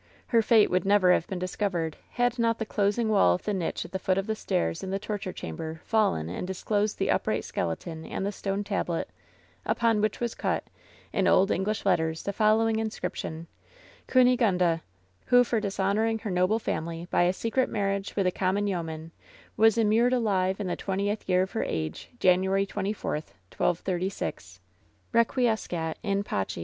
Her fate would never have been discovered had not the closing wall of the niche at the foot of the stairs in the torture chamber fallen and disclosed the upright skeleton and the stone tablet, upon which was cut, in old English letters, the following in scription: CUNIGUNDA, Who, for dishonoring her noble family By a secret marriage with a common yeoman, Was immured alive in the 20th year of her age, January 24th, 1236. Eequiescat in Pace.